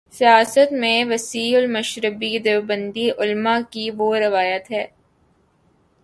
سیاست میں وسیع المشربی دیوبندی علما کی وہ روایت ہے۔